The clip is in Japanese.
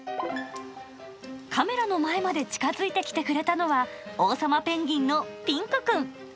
カメラの前まで近づいてきてくれたのは、オウサマペンギンのピンクくん。